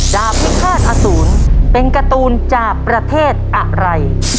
ดาบพิฆาตอสูรเป็นการ์ตูนจากประเทศอะไร